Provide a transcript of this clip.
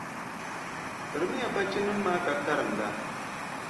Tirimiya bachinima maa ka karinda.